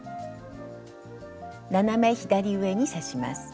斜め左上に刺します。